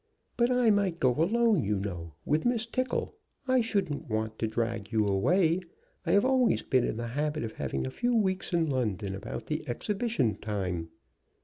"But I might go alone, you know with Miss Tickle. I shouldn't want to drag you away. I have always been in the habit of having a few weeks in London about the Exhibition time."